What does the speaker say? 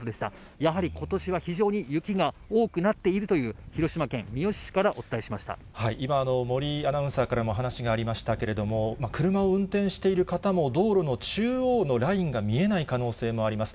やはりことしは非常に雪が多くなっているという広島県三次市から今、森アナウンサーからも話がありましたけれども、車を運転している方も、道路の中央のラインが見えない可能性もあります。